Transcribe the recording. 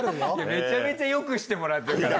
めちゃめちゃよくしてもらってるから。